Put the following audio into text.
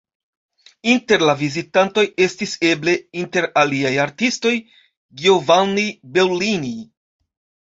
Inter la vizitantoj estis eble, inter aliaj artistoj, Giovanni Bellini.